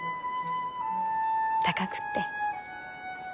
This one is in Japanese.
高くって。